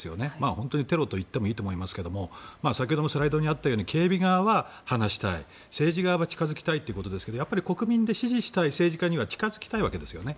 本当にテロと言っていいと思いますが先ほどもあったように警備側は離したい政治側は近付きたいということですが国民って支持したい政治家には近付きたいわけですよね。